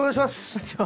こんにちは。